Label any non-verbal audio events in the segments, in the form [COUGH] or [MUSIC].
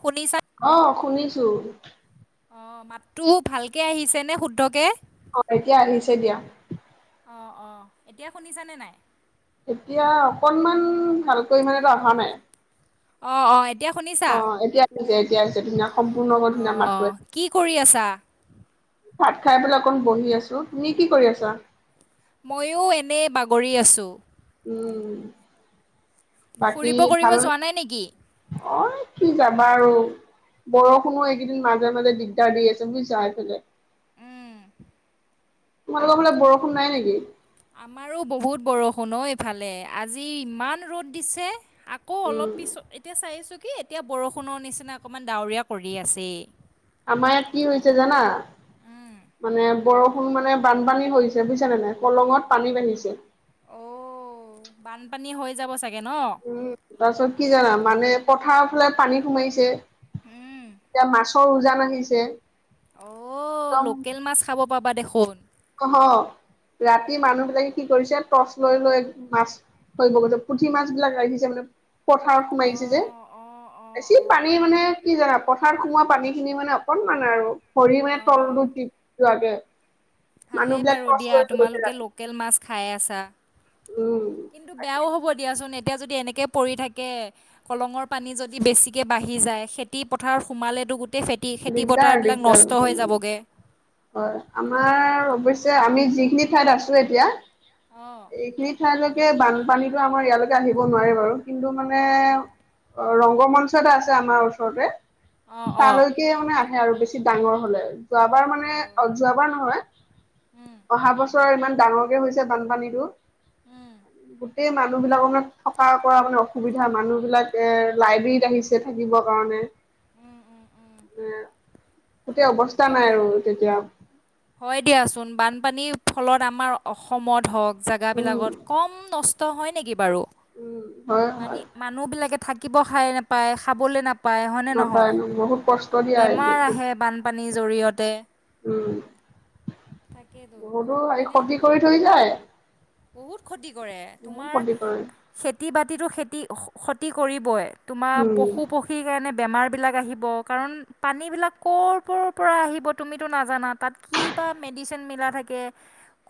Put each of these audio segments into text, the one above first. শুনিছা? অহ শুনিছো অ মাতটো ভালকে আহিছে নে শুদ্ধকে। অ এতিয়া আহিছে দিয়া অঁ অঁ এতিয়া শুনিছানে নাই এতিয়া অকনমান ভালকৈ ইমানো এটা অহা নাই অ অ এতিয়া শুনিছা। অ', এতিয়া আহিছে এতিয়া আহিছে ধুনীয়া সম্পূৰ্ণকৈ ধুনীয়া অঁ মাতটো অঁ কি কৰি আছা? ভাত খাই পেললে অকণ বহি আছো তুমি কি কৰি আছা। কৰি আছোঁ। উম বাকী ফুৰিব কৰিব ভাল যোৱা নাই নেকি? অ কি যাবা আৰু বৰষুণো এইকেইদিন মাজে মাজে দিগদাৰ দি আছে বুইছা এইফালে উম, তোমালোকৰ ফালে বৰষুণ নাই নেকি? আমাৰো বহুত বৰষুণ এইফালে আজি ইমান ৰ'দ দিছে আকৌ উম, অলপ। পিছত এতিয়া চাই আছো কি এতিয়া বৰষুণৰ নিচিনা অকমান ডাৱৰীয়া কৰি আছেই। আমাৰ ইয়াত কি হৈছে জানা? মানে বৰষুণ মানে বানপানী হৈছে বুজিছ নে নাই কলঙত পানী বাঢ়িছে। অ বানপানী হৈ যাব চাগে। ন? উম তাৰপিছত কি জানা মানে পথাৰৰ ফালে পানী সোমাইছে। উম, এতিয়া মাছৰ উজান আহিছে। অ একদম লোকেল মাছ খাব পাবা দেখোন। অহ, ৰাতি মানুহবিলাকে কি কৰিছে টৰ্চ লৈ লৈ মাছ হৈ গ পুঠি মাছ বিলাক ৰাখি দিছে মানে পথাৰত সোমাইছে যে, অ', অ', অ', বেছি পানী অ', মানে কি জানা পথাৰত সোমোৱা পানী খিনি মানে অকনমান আৰু ভৰি মানে অ', তলটো যোৱাকে মানুহ ভালেই বিলাক বাৰু টৰ্চ দিয়া লৈ লৈ গৈছে তোমালোকে ৰাতি লোকেল মাছ খাই আছা। উম। কিন্তু বেয়াও হ'ব দিয়া। দিয়াচোন এতিয়া যদি এনেকৈ পৰি থাকে, কলঙৰ পানী যদি বেছিকৈ বাঢ়ি যায় খেতি পথাৰ সোমালেতো গো দিগদাৰ দিগদাৰ উম যাবগৈ। হয়, আমাৰ অৱশ্যে আমি যিখিনি ঠাইত আছো এতিয়া, অ', এইখিনি ঠাইলৈ বানপানীটো আমাৰ ইয়ালৈকে আহিব নোৱাৰে বাৰু কিন্তু মানে অ', অ', ৰংগ মঞ্চ এটা আছে আমাৰ ওচৰতে। অ অ। তালৈকে মানে আহে আৰু বেছি ডাঙৰ হলে, যোৱাবাৰ মানে অ যোৱাবাৰ নহয় অহা বছ ছৰ ইমান ডাঙৰকে হৈছে বানপানীতো। সেই মানুহবিলাকৰ মানে থকাৰ পৰা মানে অসুবিধা মানুহ বিলাক এ লাইব্ৰেৰীত আহিছে থাকিবৰ কাৰণে উম উম উম। উম গোটেই অৱস্থা নাই আৰু তেতিয়া হয় দিয়াচোন, বানপানীৰ ফলত আমাৰ অসমত হওক উম জেগাবিলাকত কম নষ্ট হয় নেকি বাৰু? উম হয় মানে হয় মানুহবিলাকে থাকিব খাই নাপায় খাবলৈ নাপা উপায় হয়নে নাপায় নহয়? ন বহুত কষ্ট দিয়া বেমাৰ এইটো আহে বানপানীৰ জৰিয়তে উম তাকেতো বহুতো হেৰি মানে ক্ষতি কৰি থৈ যায়। বহুত ক্ষতি কৰে, বহুত তোমাৰ ক্ষতি কৰে খেতি বাতিতো খেতি ক্ষতি কৰিবই। তোমাৰ পশু- উম পক্ষীৰ কাৰণে বেমাৰ বিলাক আহিব কাৰণ পানী বিলাক কৰ পৰা আহিব তুমিতো নাজানা তাত কিবা মে দিচিন মিলা থাকে,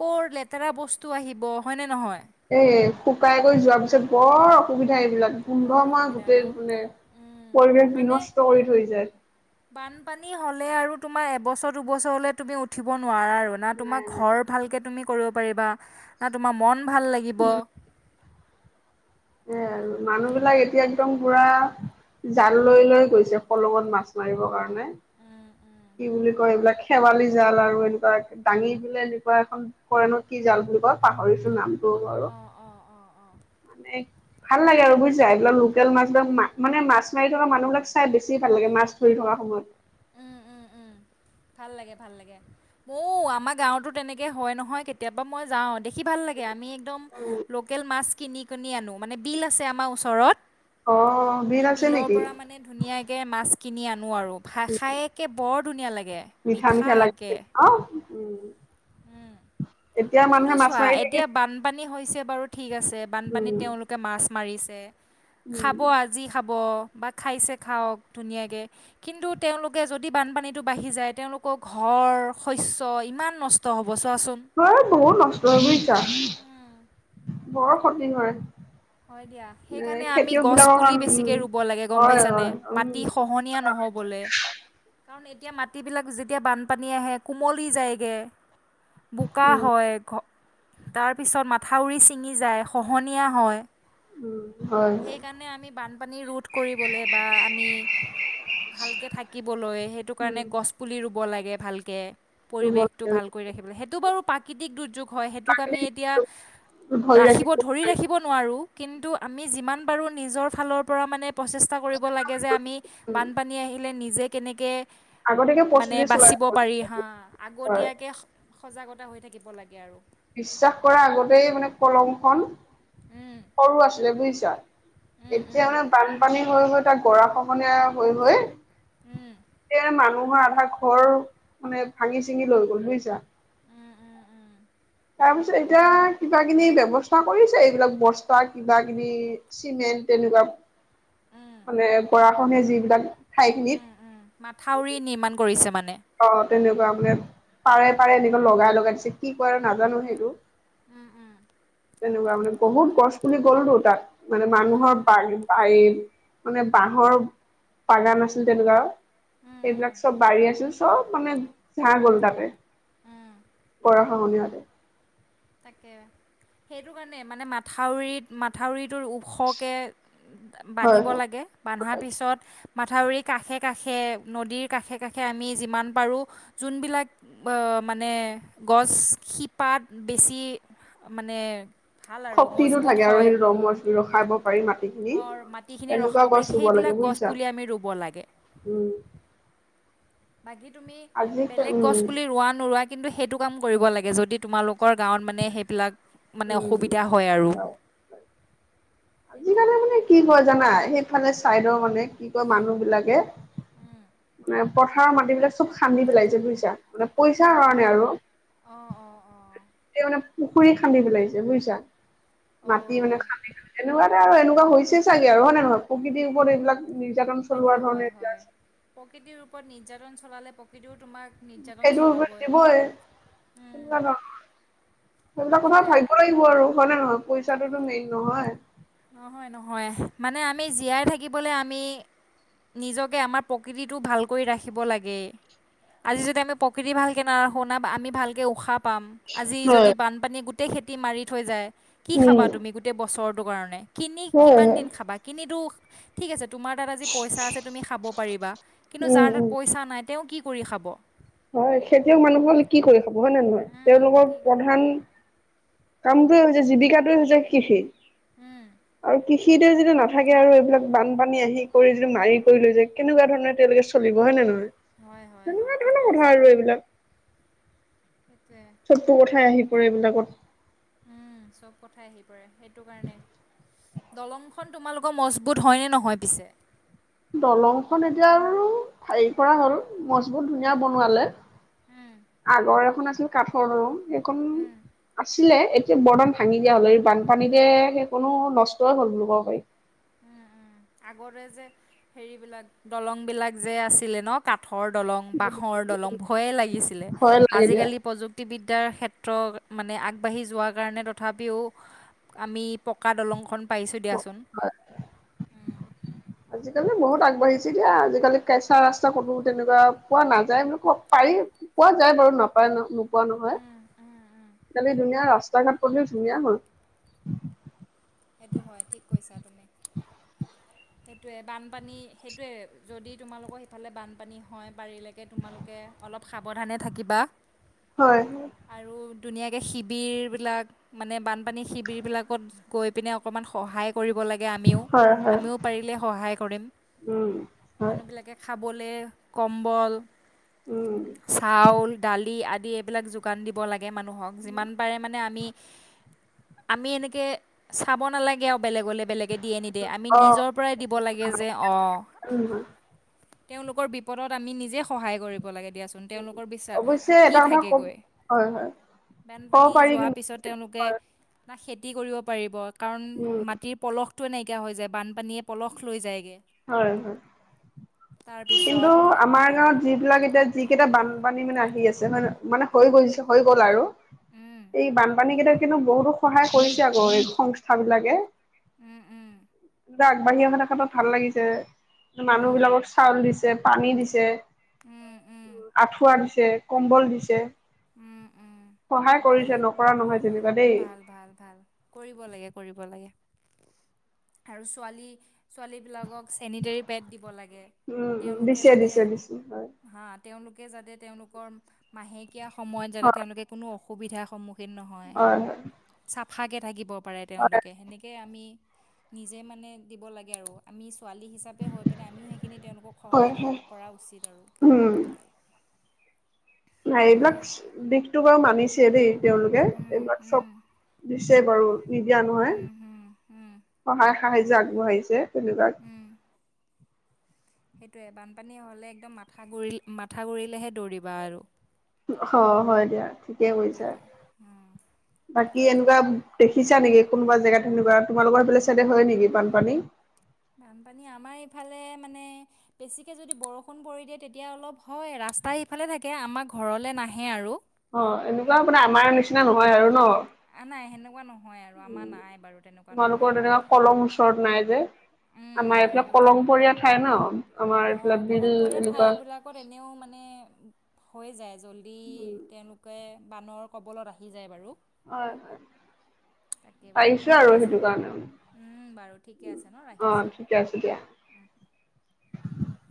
কৰ লেতেৰা বস্তু আহিব হয় নে নহয়? এ শুকাই কৰি যোৱাৰ পিছত বৰ অসুবিধ ধা এইবিলাক বৰ গোন্ধময় অসুবিধা ন গোটেই মানে উম পৰিৱেশ মানে বিনষ্ট কৰি থৈ যায়। বানপানী হ'লে আৰু তোমাৰ এবছৰ দুবছৰ হলে তুমি উঠিব নোৱাৰা আৰু না নাই তোমাৰ নাই ঘৰ ভালকে তুমি কৰিব পাৰিবা, না তোমাৰ মন ভাল লাগিব। এ আৰু হয় মানুহবিলাক দিয়া। এতিয়া একদম পোৰা জাল লৈ লৈ গৈছে খলঙত মাছ মাৰিব কাৰণে। কি বুলি কয় এইবিলাক খেৱালি জাল আৰু এনেকুৱা দাঙি বোলে এনেকুৱা এখন কৰে ন কি জাল বুলি কয় পাহৰিটো নামটো বাৰু। অ', অ', অ', অ', এক ভাল লাগে আৰু বুজিছা এইবিলাক লোকেল মাছ বিলাক মা মানে মাছ মাৰি থকা মানুহ বিলাক চাই বেছি ভাল লাগে মাছ ধৰি থকা সময়ত। উম উম উম। ভাল লাগে ভাল লাগে মইও আমাৰ গাঁৱতো তেনেকে হয় নহয় কেতিয়াবা মই যাও দেখি ভাল লা আমি একদম উম, লোকেল মাছ কিনি কিনি আনো মানে বিল আছে আমাৰ ওচৰত অ বিল সেই আছে বিলৰ নেকি? পৰা মানে ধুনীয়াকে মাছ কিনি আন নোৱাৰো, ভা খাই একে বৰ ধুনীয়া লাগে। মিঠা মিঠা লাগিছিল অ উম। এতিয়া কিন্তু মানুহে মাছ চোৱা মাৰি থাকে এতিয়া বানপানী হৈছে বাৰু ঠিক আছে বানপানীত উম তেওঁলোকে মাছ মাৰিছে উম খাব আজি খাব। বা খাইছে খাওক ধুনীয়াকে কিন্তু তেওঁলোকে যদি বানপানীটো বাঢ়ি যায় তেওঁলোকৰ ঘৰ ঘৰ, শস্য ইমান নষ্ট হ'ব চোৱাচোন। ত বহুত নষ্ট হয় বুজিছা, বৰ ক্ষতি কৰে। হয় দিয়া সেই কাৰণে আমি গছ বিলাকৰ পুলি কাৰণ উম বেছিকে ৰুব লাগে গম হয় পাইছানে? হয় উম মাটি খহনীয়া ন হ'বলে। [INAUDIBLE] কাৰণ এতিয়া মাটিবিলাক যেতিয়া বানপানী আহে কোমলি যায়গে। বোকা উম হয় ঘ তাৰ পিছত মাথাউৰি ছিঙি যায়, খহনীয়া হয়। উম। হয় হয় সেইকাৰণে আমি বানপানী ৰোধ কৰিবলৈ বা আমি ভালকে থাকিবলৈ সেইটো কাৰণে উম গছ পুলি ৰু ব লাগে ভালকে, পৰিৱেশটো ভাল কৰি ৰাখিব লা সেইটো বাৰু প্ৰাকৃতিক দুৰ্যোগ। হয় সেইটোক আমি এতিয়া ৰাখিব ধৰি ৰাখিব নোৱাৰোঁ। কিন্তু আমি যিমান পাৰো নিজৰ ফালৰ পৰা মানে প্ৰচেষ্টা কৰিব লাগে যে আমি উম বানপানী আহিলে নিজে কেনেকে আগতীয়াকে মানে প্ৰস্তুতি চলাই বাচিব থব পাৰি লাগিব। হা হয়, আগতীয়াকে সজাগতা হৈ থাকিব লাগে আৰু। বিশ্বাস কৰাৰ আগতেই মানে কলং খন উম, সৰু আছিলে বুজিছা, উম, এতিয়া উম, মানে বানপানী হৈ হৈ তাক গৰা খহনীয়াৰ হৈ হৈ উম। এতিয়া মানুহৰ আধা ঘৰ মানে ভাঙি চিঙি লৈ গ'ল বুজিছা। তাৰ পিছত এতিয়া কিবা কিনি ব্যৱস্থা কৰিছে এইবিলাক বস্তা কিবা কিনি চিমেণ্ট ধৰি লোৱা, উম, মানে গৰাখহনীয়া যিবিলাক ঠাইখিনিত উম, উম। মাথাউৰি নিৰ্মাণ কৰিছে মানে অ তেনেকুৱা মানে, পাৰে পাৰে এনেকুৱা লগাই লগাই দিছে কি কৰে নাজানো সেইটো। উম উম। তেনেকুৱা মানে বহুত গছ পুলি গ'ল ত তাত মানে মানুহৰ বাৰি মানে বাঁহৰ বাগান আছিল তেনেকুৱা, উম। সেইবিলাক চব বাৰী আছিল। চব মানে চাহ গ'ল তাতে গৰা খহনীয়াত। তাকে। সেইটো কাৰণে মানে মাথাউৰিত মাথাউৰিটোৰ ওখকে হয় বান্ধিব লাগে, বান্ধাৰ হয় পিছত মাথাউৰি কাষে কাষে নদীৰ কাষে কাষে আমি যিমান পাৰোঁ যোনবিলাক বা মানে গছ শিপাত বেছি মানে ভাল আৰু শক্তিটো মজবুত থাকে আৰু হয় সেইটো ৰং মচ ৰখাব পাৰি মাটিখিনি, অৰ মাটিখিনি এনেকুৱা ৰখাব গছ পাৰি ৰুব সেইবিলাক লাগে বুজিছা। গছপুলি আমি ৰুব লাগে উম। বাকী তুমি আজি বেলেগ গছ উম পুলি ৰুৱা নোৰুৱা কিন্তু সেইটো কাম কৰিব লাগে যদি তোমালোক কৰ গাঁৱত মানে সেইবিলাক মানে উম অসুবিধা হয় আৰু। সেইটোৱে আজিকালি মানে কি কয় জানা সেইফালে চাইডৰ মানে কি কয় মানুহ বিলাকে উম। মানে পথাৰৰ মাটিবিলাক চব খান্দি পেলাইছে বুজিছা। মানে অ', পইচাৰ কাৰণে আৰু অ', অ', অ', মানে পুখুৰী খান্দি পেলাইছে বুজিছা, মাটি মানে অ', খান্দি খান্দি তেনেকুৱা। আৰু এনেকোৱা হৈছে ছাগে আৰু হয় নে নহয়? প্ৰকৃতিৰ ওপৰত এইবিলাক নিৰ্যাতন সেইটো চলোৱাৰ হয়, ধৰণে এতিয়া হয়। আছে। প্ৰকৃতিৰ ওপৰত নিৰ্যাতন চলালে প্ৰকৃতত তোমাক নিৰ্যাতন সেইটোৰ ওপৰত চলাবই, দিবই উম। তেনেকুৱা ধৰণৰ সেইবিলাক কথা সেইটোৱে ভাবিব লাগিব আৰু হয়নে নহয় পইচাটোতো মেইন নহয়। নহয় নহয় মানে আমি জীয়াই থাকিবলৈ আমি নিজকে আমাৰ প্ৰকৃতিটো ভালকৈ ৰাখিব লাগে। আজি যদি আমি প্ৰকৃতি ভালকে নাৰাখোঁ আমি ভালকে উশাহ পাম আজি যদি হয় বানপানী গোটেই খেতি মাৰি থৈ যায় কি উম খাবা তুমি গোটেই বছৰটোৰ কাৰণে কিনি হয় কিমান হয় দিন খাবা কিনিটো ঠিক আছে তোমাৰ তাত আজি পইচা আছে তুমি খাব পাৰিবা কিন্তু উম যাৰ তাত উম পইচা নাই তেওঁ কি কৰি খাব। হয় খেতিয়ক মানুহ কি কৰি খাব হয় নে নহয় উম, তেওঁলোকৰ কি প্ৰধান কামটোৱে হৈছে জীৱিকাটোৱে হৈছে কৃষি উম, আৰু কৃষি যদি নাথাকে আৰু এইবিলাক বানপানী আহি কৰি যদি মাৰি কৰি লৈ যায় কেনেকুৱা ধৰণে তেওঁলোকে চলিব হয় নে নহয়। [UNINTELLIGIBLE] হয় হয় হয় ঠিক কথা কৈছা আৰু এইবিলাক সেইটোৱে চতুৰ কথাই আহি পৰে এইবিলাকত উম চব কথাই আহি পৰে সেইটো কাৰণে দলংখন [UNINTELLIGIBLE] তোমালোকৰ মজবুত হয় নে নহয় পিছে দলং খন এতিয়া আৰু হেৰি কৰা হ'ল মছবুত ধুনীয়া উম, বনোৱালে উম, আগৰ এখন আছিল কাঠৰ দলং এইকন উম। আছে ছিলে এতিয়া বৰ্দন ভাঙি দিয়া হল এই বানপানীতে সেই কোনো নষ্টই হল বুলি ক'ব পাৰি [UNINTELLIGIBLE] উম উম আগতে যে হেৰিবিলাক দলং বিলাক যে আছিলে ন কাট। ঠৰ দলং বাঁহৰ দলং ভয় লাগে আজিকালি প্ৰযুক্তিবিদ্যা ক্ষেত্ৰ মানে আগবাঢ়ি যোৱাৰ কাৰণে তথাপিও আমি পকা দলংখন পাইছো দিয়াচোন। দিয়া আজিকালি বহুত আগবাঢ়িছেগে [UNINTELLIGIBLE] আজিকালি কেঁচা ৰাস্তা কতো তেনেকুৱা পোৱা নাযায় বুলি কব প পোৱা যায় বাৰু নাপায় ন নোপোৱা নহয় আজিকালি ধুনীয়া ৰাস্তা ঘাট পদুলিও ধুনীয়া হ'ল [INAUDIBLE] [INAUDIBLE] সেইটোৱে বানপানী সেইটোৱে যদি তোমালোকৰ সিফালে বানপানী হয় বাৰীলৈকে তোমালোকে অলপ সাৱধানে থাকিবা হয় আৰু ধুনীয়াকৈ শিবিৰবিলাক মানে বানপানী শিবিৰবিলাকত গৈ পিনে অকণমান সহায় [UNINTELLIGIBLE] কৰিব‌ লাগে আমিও হয় হয় আমি পাৰিলে সহায় কৰিম। উম হয় মানুহবিলাকে খাব- বলে কম্বল, উম চাউল, দালি, আদি। এইবিলাক যোগান দিব লাগে মানুহক যিমান পাৰে মানে আমি আমি এনেকে। চাব নালাগে আৰু বেলেগলৈ বেলেগে দিয়ে নিদিয়ে আমি অ নিজৰ পৰাই দিব লাগে যে অ উম হয় [UNINTELLIGIBLE] তেওঁলোকৰ বিপদত আমি নিজে সহায় কৰিম। দিয়া চুন।। তেওঁলোকৰ পিছে অৱশ্যে কি এটা কথা কম থাকেগৈ হয় হয় [UNINTELLIGIBLE] ক'ব বানপানী পাৰি যোৱাৰ পিছত কিন্তু তেওঁলোকে হয় না খেতি খেতি কৰিব পাৰিব কাৰণ উম মাটিৰ পলসটোে নাইকিয়া হৈ যায় বানপানীয়ে পলস লৈ যায়গৈ? হয় হয় কিন্তু তাৰপিছত আমাৰ গাঁৱত। যিবিলাক এতিয়া যিকেইটা বানপানী মানে আহি আছে ম মানে হৈ গৈছে হৈ গ'ল আৰু উম, এই বানপানী কেইট কিন্তু বহুতো সহায় কৰিছে আকৌ এই সংস্থাবিলাকে। উম উম আগবাঢ়ি অহা দেখাতটো ভাল লাগিছে মানুহ উম, বিলাকক চাউল দিছে পানী দিছে? উম, উম, আঠুৱা দিছে কম্বল দিছে। সহায় কৰিছে ভালে নকৰা নহয় যেনিবা দেই। ভাল ভাল ভাল কৰিব লাগে কৰিব লাগে। [UNINTELLIGIBLE] আৰু ছোৱালী ছোৱালী বিলাকক? চেনিতেৰি পেড দিব লাগে উম, উম, তেওঁলোকে দিছে যাতে দিছে দিছে হয়। হা। যাতে তেওঁলোকৰ মাহেকীয়া সময়ত যাতে হয়, তেওঁলোকে কোনো অসুবিধা সন্ন [UNINTELLIGIBLE] খেন নহয় হয়, চাফাকৈ থাকিব পাৰে হয়, তেওঁলোকে সেনেকৈ আমি। [UNINTELLIGIBLE] নিজে মানে দিব লাগে আৰু আমি ছোৱালী হিচাপে হৈ পিনে আমিও সেইখিনি তেওঁলোকক হয়, সহায় কৰিব হয়, কৰা উচিত উম। আৰু। [UNINTELLIGIBLE] নাই এইবিলাক তাকে দিশত ব আৰু মানিছে দেই। তেওঁলোকে উম তেওঁবিলাক চব উম দিছে বাৰু নিদিয়া নহয় উম হুম হুম সহায়। সাহা্য আগবঢ়াইছে ধন্যবাদ। সেইটোোৱে বানপানী হলে একদম মাথাৰি মাথা গুৰিলেহে দৌৰিবা আৰু হয় হয় দিয়া ঠিকেই কৰিছা তাকে উম বাকী একদম। দেখিছা নেকি কোনোবা জেগাত তেনেকুৱা তোমাল লগৰফালে চাইডে হয় নেকি বানপানী। বানপানী আমাৰ ইফালে মানে বেছিকে যদি বৰষুণ পৰি দিয়ে তেতিয়া অলপ হয়। ৰা- ৰাস্তা ইফালে থাকে আমাৰ ঘৰলৈ নাহে আৰু অ এনেকুৱা মানে আমাৰ নিচিনা নহয় আৰু ন। আ নাই সেনেকুৱা নহয় আৰু আমাৰ উম নাই বাৰু তেনেকুৱা তোমালোকৰ নহয়। তেনেকুৱা কলং ওচৰত নাই যে উম, আমাৰ এইবিলাক সেইটো কলংপৰীয়া ঠাই ন। আমাৰ অ এইফালে বিল কলমপৰীয়া এনেকুৱা ঠাই বিলাকত এনেও মানে হৈ যায়। জল্দি তেওঁলোকে বানৰ কবলত আহি যায় বাৰু। হয় হয় তাকে বাৰু পাৰিছো আৰু ঠিকে সেইটো আছে কাৰণে উম বাৰু ঠিকে আছে ন অ ৰাখিছো। ঠিকে আছে [INAUDIBLE]